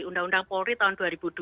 undang undang polri tahun dua ribu dua